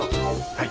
はい。